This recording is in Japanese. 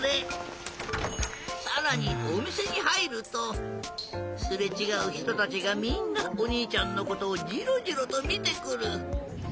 さらにおみせにはいるとすれちがうひとたちがみんなおにいちゃんのことをジロジロとみてくる！